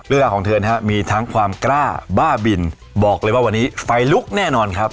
ของเธอนะครับมีทั้งความกล้าบ้าบินบอกเลยว่าวันนี้ไฟลุกแน่นอนครับ